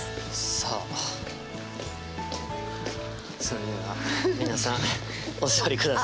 さあそれでは皆さんお座りください。